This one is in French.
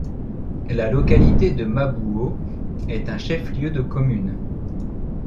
La localité de Mabouo est un chef-lieu de commune.